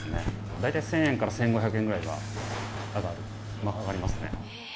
大体１０００円から１５００円ぐらいは上がる、上がりますね。